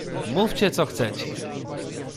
"Mówcie, co chcecie."